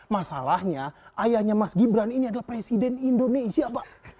masalahnya ayahnya mas gibran ini adalah presiden indonesia pak